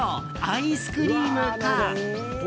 アイスクリームか。